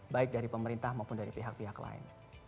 baik dari pemerintah maupun dari pihak pihak lain